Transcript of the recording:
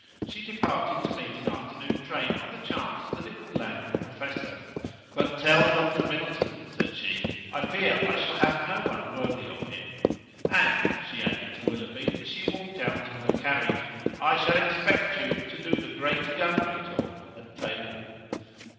She departed to meet an afternoon train on the chance that it would land the professor. "But tell Dr. Middleton," said she, "I fear I shall have no one worthy of him! And," she added to Willoughby, as she walked out to her carriage, "I shall expect you to do the great gunnery talk at table."